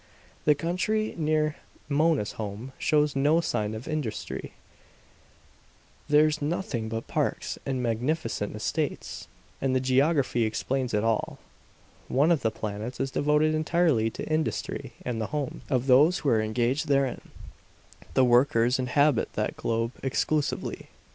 The country near Mona's home shows no sign of industry; there's nothing but parks and magnificent estates. And the geography explains it all. One of the planets is devoted entirely to industry and the homes of those who are engaged therein; the workers inhabit that globe exclusively.